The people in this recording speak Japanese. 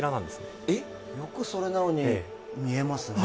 よくそれなのに見えますね？